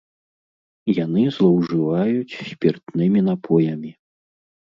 Яны злоўжываюць спіртнымі напоямі.